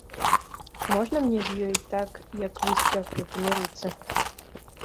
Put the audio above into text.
Можна мне з ёй так, як вы з цёткай, памірыцца?